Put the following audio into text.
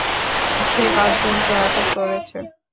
সে পাঁচজনকে আটক করেছে।